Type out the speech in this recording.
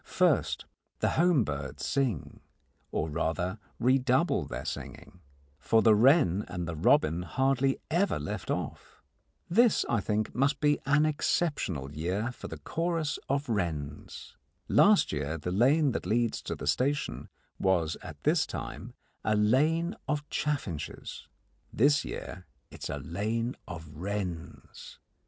First, the home birds sing, or rather redouble their singing, for the wren and the robin hardly ever left off. This, I think, must be an exceptional year for the chorus of wrens. Last year the lane that leads to the station was at this time a lane of chaffinches: this year it is a lane of wrens.